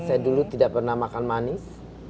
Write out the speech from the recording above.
saya dulu tidak pernah makan manis